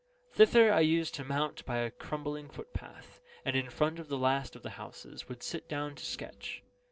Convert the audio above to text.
Thither I used to mount by a crumbling footpath, and in front of the last of the houses, would sit down to sketch.